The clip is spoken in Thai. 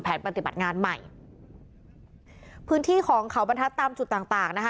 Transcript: ปฏิบัติงานใหม่พื้นที่ของเขาบรรทัศน์ตามจุดต่างต่างนะคะ